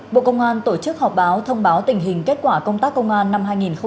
bộ công an tổ chức họp báo thông báo tình hình kết quả công tác công an năm hai nghìn hai mươi ba